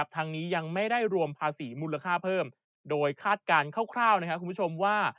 ทางนี้ยังไม่ได้รวมภาษีมูลค่าเพิ่มโดยคาดการณ์คร่าวนะครับคุณผู้ชมว่า